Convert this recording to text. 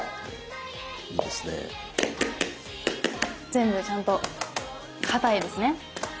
全部ちゃんとかたいですね。